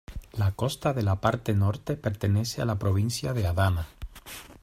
La costa de la parte norte pertenece a la provincia de Adana.